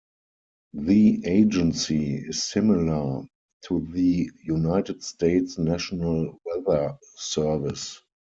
The agency is similar to the United States' National Weather Service.